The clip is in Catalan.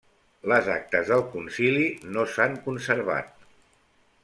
Les actes del concili no s'han conservat.